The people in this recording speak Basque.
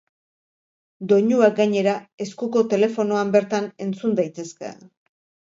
Doinuak gainera, eskuko telefonoan bertan entzun daitezke.